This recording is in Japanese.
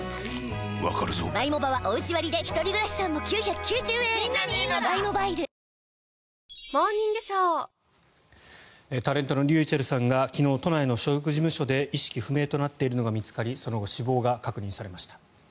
わかるぞタレントのｒｙｕｃｈｅｌｌさんが昨日、都内の所属事務所で意識不明となっているのが見つかりその後、死亡が確認されました。